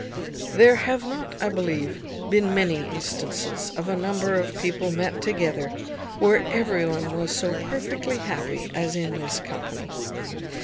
There have not, I believe, been many instances of a number of people met together, where every one was so perfectly happy as in this company.